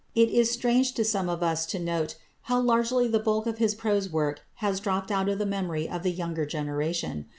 It is strange to some of us to note how largely the bulk of his prose work has dropped out of the memory of the younger generation.